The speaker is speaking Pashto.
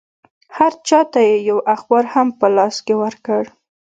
هر چا ته یې یو اخبار هم په لاس کې ورکړ.